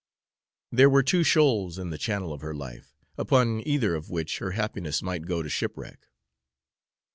There were two shoals in the channel of her life, upon either of which her happiness might go to shipwreck.